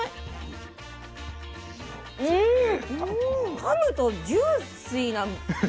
かむとジュースィーなね。